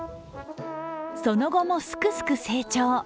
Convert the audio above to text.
その後もすくすく成長。